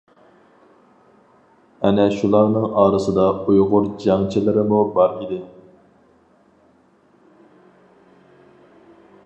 ئەنە شۇلارنىڭ ئارىسىدا ئۇيغۇر جەڭچىلىرىمۇ بار ئىدى.